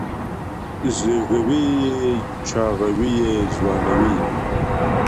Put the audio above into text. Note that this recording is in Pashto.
زېږوي یې چاغوي یې ځوانوي یې